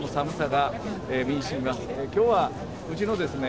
今日はうちのですね